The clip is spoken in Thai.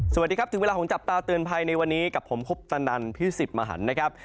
สวัสดีครับถึงเวลาของจับตาเตือนภัยในวันนี้กับผมคุปตนันพี่สิทธิ์มหันนะครับ